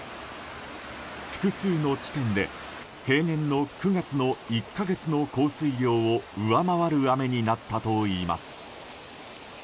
複数の地点で平年の９月の１か月の降水量を上回る雨になったといいます。